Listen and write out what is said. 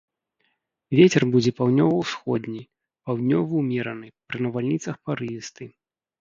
Вецер будзе паўднёва-ўсходні, паўднёвы ўмераны, пры навальніцах парывісты.